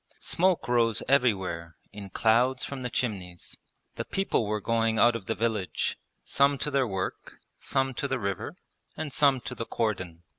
Smoke rose everywhere in clouds from the chimneys. The people were going out of the village, some to their work, some to the river, and some to the cordon.